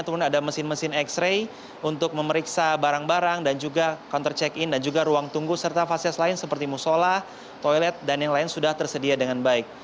namun ada mesin mesin x ray untuk memeriksa barang barang dan juga counter check in dan juga ruang tunggu serta fasilitas lain seperti musola toilet dan yang lain sudah tersedia dengan baik